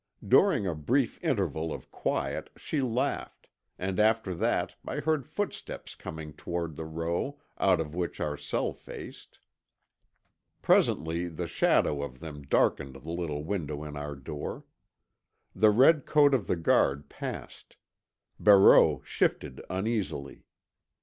During a brief interval of quiet she laughed, and after that I heard footsteps coming toward the row, out of which our cell faced. Presently the shadow of them darkened the little window in our door. The red coat of the guard passed. Barreau shifted uneasily.